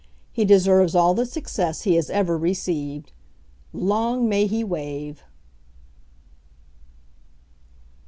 He deserves all the success he has ever received. "Long may he wave!"